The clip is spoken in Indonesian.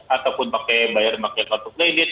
ataupun bayar bayar untuk kredit